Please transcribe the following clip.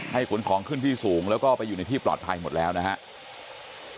ขนของขึ้นที่สูงแล้วก็ไปอยู่ในที่ปลอดภัยหมดแล้วนะครับ